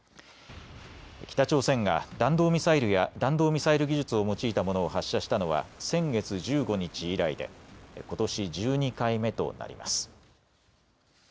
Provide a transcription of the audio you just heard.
北朝鮮が弾道ミサイルや弾道ミサイル技術を用いたものを発射したのは先月１５日以来でことし１２回目となります。